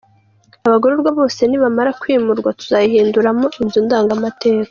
Abagororwa bose nibamara kwimurwa tuzayihinduramo inzu ndangamateka.